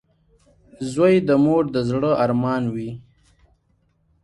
• زوی د مور د زړۀ ارمان وي.